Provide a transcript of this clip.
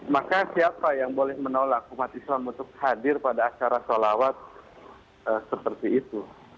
maka siapa yang boleh menolak umat islam untuk hadir pada acara sholawat seperti itu